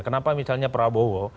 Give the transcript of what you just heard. kenapa misalnya prabowo